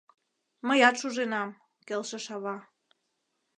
— Мыят шуженам, — келшыш ава.